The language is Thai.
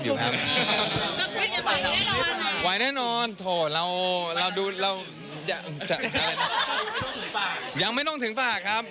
แล้วผมก็หยุดนะ